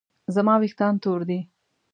زما ویښتان تور دي